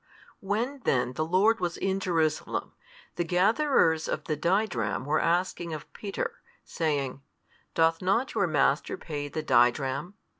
When then the Lord was in Jerusalem, the gatherers of the didrachm were asking of Peter, saying, Doth not your Master pay the didrachm?